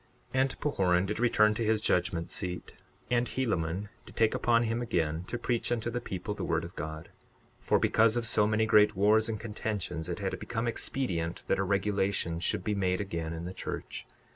62:44 And Pahoran did return to his judgment seat; and Helaman did take upon him again to preach unto the people the word of God; for because of so many wars and contentions it had become expedient that a regulation should be made again in the church.